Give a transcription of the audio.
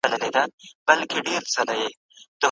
خوشحالي د زړه په پاکوالي کي ده.